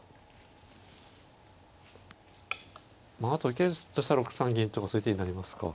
まああと受けるとしたら６三銀とかそういう手になりますか。